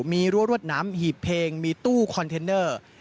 มีรั้วรวดน้ำหีบเพลงมีตู้คอนเทนเนอร์